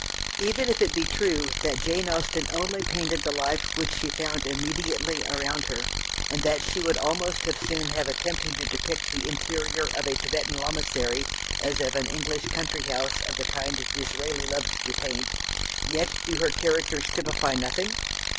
Even if it be true that Jane Austen only painted the life which she found immediately around her, and that she would almost as soon have attempted to depict the interior of a Thibetan lamassary as of an English country house of the kind Disraeli loved to paint, yet do her characters "typify nothing?"